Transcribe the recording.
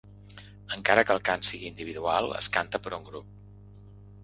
Encara que el cant sigui individual, es canta per un grup.